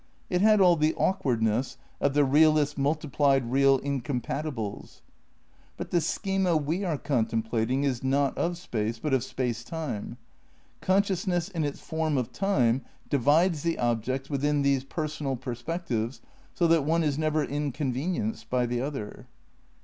It bad all tbe awkward ness of tbe realist's multiplied real incompatibles. But tbe schema we are contemplating is not of Space but of Space Time. Consciousness in its form of Time divides tbe objects witbin tbese personal perspectives so tbat one is never inconvenienced by tbe otber.